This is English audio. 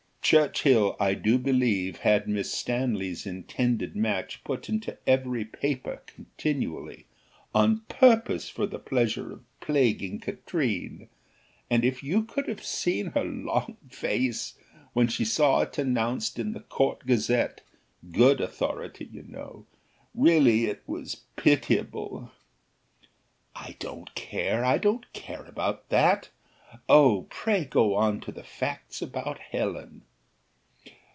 Churchill, I do believe, had Miss Stanley's intended match put into every paper continually, on purpose for the pleasure of plaguing Katrine; and if you could have seen her long face, when she saw it announced in the Court Gazette good authority, you know really it was pitiable." "I don't care, I don't care about that Oh pray go on to the facts about Helen."